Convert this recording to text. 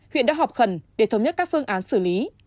huyện đã họp khẩn để thống nhất các phương án xử lý